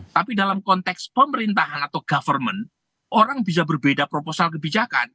tapi dalam konteks pemerintahan atau government orang bisa berbeda proposal kebijakan